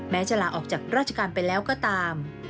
จะลาออกจากราชการไปแล้วก็ตาม